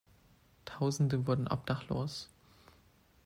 Tausende wurden obdachlos.